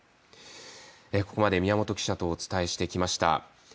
ここまで宮本記者とお伝えしてきました。